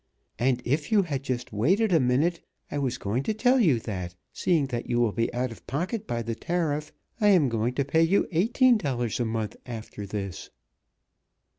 And if you had just waited a minute I was going to tell you that, seeing that you will be out of pocket by the tariff, I am going to pay you eighteen dollars a month after this."